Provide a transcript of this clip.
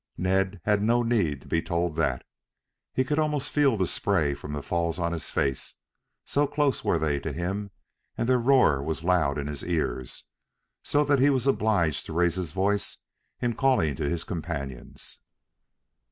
Ned had no need to be told that. He could almost feel the spray from the falls on his face, so close were they to him and their roar was loud in his ears, so that he was obliged to raise his voice in calling to his companions.